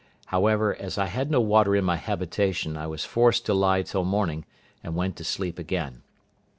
However, as I had no water in my habitation, I was forced to lie till morning, and went to sleep again.